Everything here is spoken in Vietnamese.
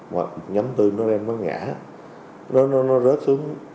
hoặc nhắm tươi nó đem nó ngã nó rớt xuống